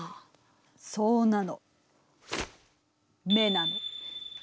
そうなの眼なの。